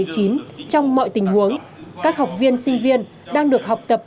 trong mọi tình huống các học viên sinh viên đang được học tập